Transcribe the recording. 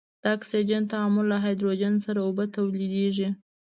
د اکسجن تعامل له هایدروجن سره اوبه تولیدیږي.